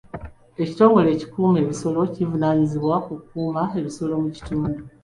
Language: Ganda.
Ekitongole ekikuuma ebisolo kivunaanyizibwa ku kukuuma ebisolo mu kitundu.